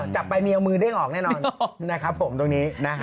จับไปเมียเอามือเด้งออกแน่นอนนะครับผมตรงนี้นะฮะ